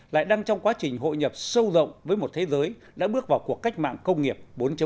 lại đang trong quá trình hội nhập sâu rộng với một thế giới đã bước vào cuộc cách mạng công nghiệp bốn